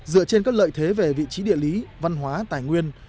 dựa trên các lợi thế về vị trí địa lý văn hóa tài nguyên